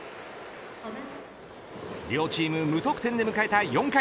両チーム無得点で迎えた４回。